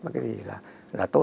và cái gì là tốt